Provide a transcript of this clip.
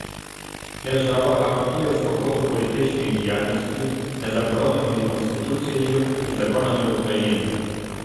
Держава гарантує свободу політичної діяльності, не забороненої Конституцією і законами України.